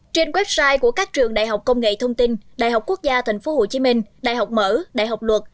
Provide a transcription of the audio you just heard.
trên website của các trường đại học công nghệ thông tin đại học quốc gia tp hcm đại học mở đại học luật